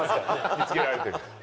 見付けられてる。